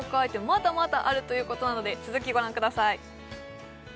まだまだあるということなので続きご覧ください